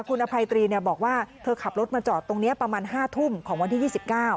คุณอภัยตรีเนี่ยบอกว่าเธอขับรถมาจอดตรงนี้ประมาณห้าทุ่มของวันที่๒๙